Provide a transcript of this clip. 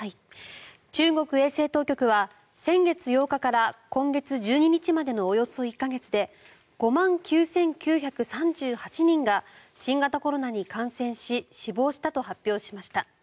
中国衛生当局は先月８日から今月１２日までのおよそ１か月で５万９９３８人が新型コロナに感染し死亡したと発表しました。